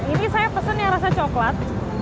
ini saya pesen yang rasa coklat